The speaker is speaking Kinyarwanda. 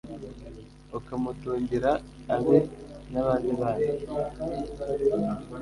ukamutungira abe n'abandi bana